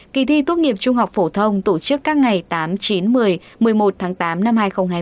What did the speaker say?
kỳ thi tốt nghiệp trung học phổ thông tổ chức các ngày tám chín một mươi một mươi một tháng tám năm hai nghìn hai mươi